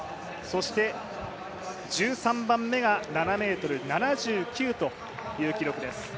そして１３番目が７ｍ７９という記録です。